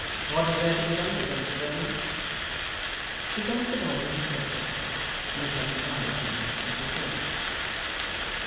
'What is there to be done with them, Sophronia?' She cast about in her thoughts again, and he kept his eye upon her as before.